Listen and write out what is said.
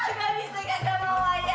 gagal bisa kagak mau aja